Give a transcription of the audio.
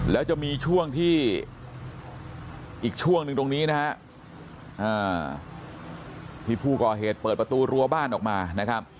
แล้วจะมีช่วงที่อีกช่วงหนึ่งตรงนี้นะฮะที่ผู้ก่อเหตุเปิดประตูรั้วบ้านออกมานะครับ